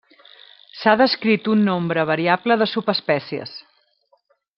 S'ha descrit un nombre variable de subespècies.